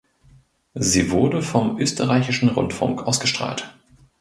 Sie wurde vom Österreichischen Rundfunk ausgestrahlt.